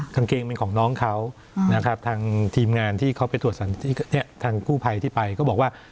กางเกงเป็นของน้องเขานะครับทางทีมงานที่เขาไปตรวจทางกู้ภัยที่ไปก็บอกว่า